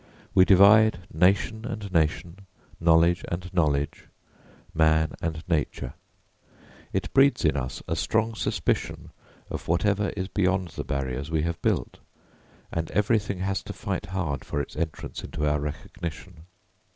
We divide nation and nation, knowledge and knowledge, man and nature. It breeds in us a strong suspicion of whatever is beyond the barriers we have built, and everything has to fight hard for its entrance into our recognition.